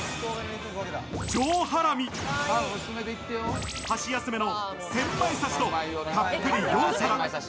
上ハラミ、箸休めのセンマイ刺しと、たっぷり４皿。